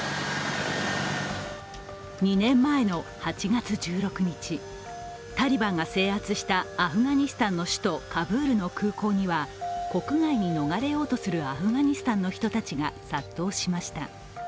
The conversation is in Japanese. ２年前の８月１６日、タリバンが制圧したアフガニスタンの首都カブールの空港には国外に逃れようとするアフガニスタンの人が殺到しました。